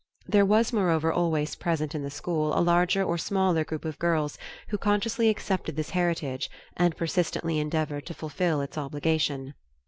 There was, moreover, always present in the school a larger or smaller group of girls who consciously accepted this heritage and persistently endeavored to fulfill its obligation.